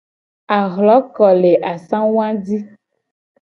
Ahloko le asangu a ji.